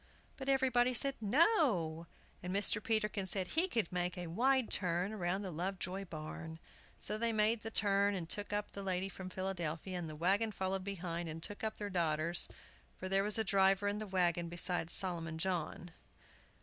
But everybody said "No!" and Mr. Peterkin said he could make a wide turn round the Lovejoy barn. So they made the turn, and took up the lady from Philadelphia, and the wagon followed behind and took up their daughters, for there was a driver in the wagon besides Solomon John.